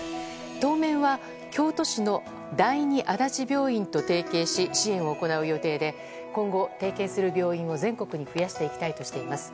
当面は京都市の第二足立病院と提携し、支援を行う予定で今後、提携する病院を全国に増やしていきたいとしています。